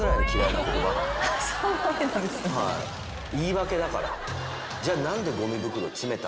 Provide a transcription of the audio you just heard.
言い訳だから。